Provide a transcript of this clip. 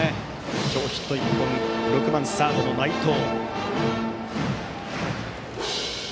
今日ヒット１本６番サードの内藤。